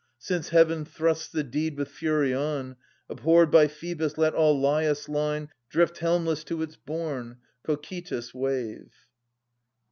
Since Heaven thrusts the deed with fury on, Abhorred by Phoebus let all Laius' line 690 .Drift helmless to its bourne, Cocytus* wave